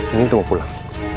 ini untuk pulang